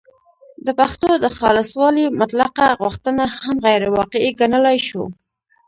د پښتو د خالصوالي مطلقه غوښتنه هم غیرواقعي ګڼلای شو